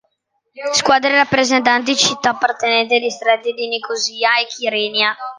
Squadre rappresentanti città appartenenti ai distretti di Nicosia e Kyrenia.